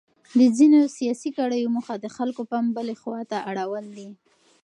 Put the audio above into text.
د ځینو سیاسي کړیو موخه د خلکو پام بلې خواته اړول دي.